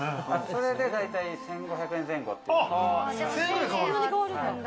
それで大体１５００円前後っていう。